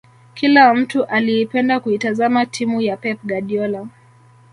Kila mtu aliipenda kuitazama timu ya pep guardiola